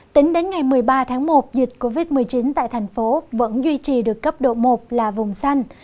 tính đến ngày một mươi ba tháng một dịch covid một mươi chín tại thành phố vẫn duy trì được cấp độ một là vùng xanh